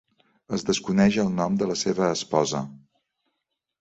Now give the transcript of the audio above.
Es desconeix el nom de la seva esposa.